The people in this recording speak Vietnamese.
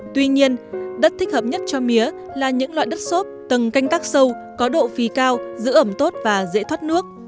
tuy nhiên đất thích hợp nhất cho mía là những loại đất xốp tầng canh tác sâu có độ phí cao giữ ẩm tốt và dễ thoát nước